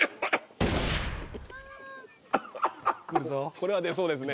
これは出そうですね。